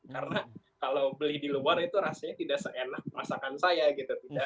karena kalau beli di luar itu rasanya tidak seenak masakan saya gitu